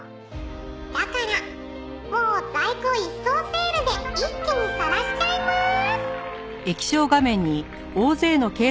「だからもう在庫一掃セールで一気に晒しちゃいます！」